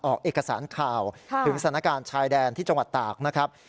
ออกเอกสารข่าวถึงสถานการณ์ชายแดนที่จังหวัดตากนะครับ